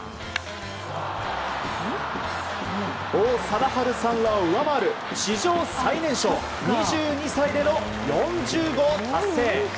王貞治さんを上回る、史上最年少２２歳での４０号達成。